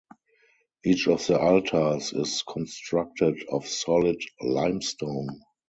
Each of the altars is constructed of solid limestone.